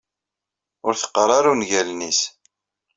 Ur teqqar ara ungalen-nnes.